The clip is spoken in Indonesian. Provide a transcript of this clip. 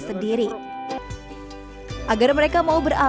sendiri agar mereka mau beralih